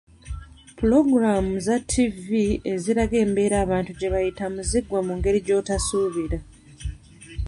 Ppulogulaamu za TV eziraga embeera abantu gye bayitamu ziggwa mu ngeri gyotasuubira.